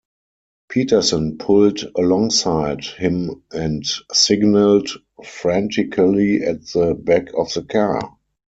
Peterson pulled alongside him and signalled frantically at the back of the car.